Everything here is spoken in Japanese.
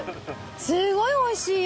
すごいおいしいよ。